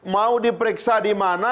mau diperiksa dimana